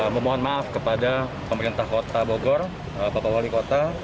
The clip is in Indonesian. memohon maaf kepada pemerintah kota bogor bapak wali kota